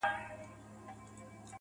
چي ته به يې په کومو صحفو، قتل روا کي~